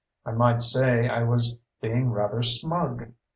I might say I was being rather smug.